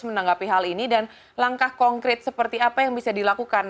menanggapi hal ini dan langkah konkret seperti apa yang bisa dilakukan